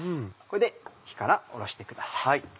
これで火から下ろしてください。